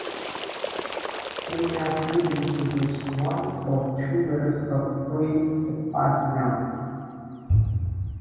Females usually produce one or two litters of three to five young.